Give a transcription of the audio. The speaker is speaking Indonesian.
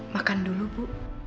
makan dulu bu